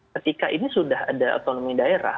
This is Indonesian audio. ketika ini sudah ada otonomi daerah